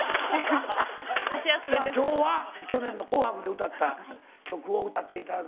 さあ今日は去年の「紅白」で歌った曲を歌って頂く。